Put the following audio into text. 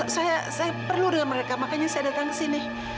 saya perlu dengan mereka makanya saya datang ke sini